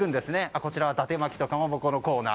こちらは伊達巻とカマボコのコーナー。